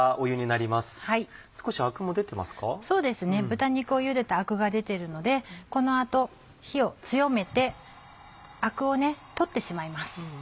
豚肉を茹でたアクが出てるのでこの後火を強めてアクを取ってしまいます。